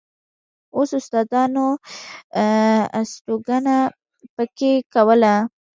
اوس استادانو استوګنه په کې کوله.